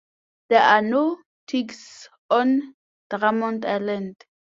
There are no ticks on Drummond Island.